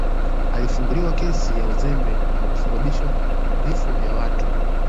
alifunguliwa kesi ya uzembe wa kusababisha vifo vya watu